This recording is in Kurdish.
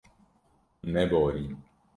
Hûn neborîn.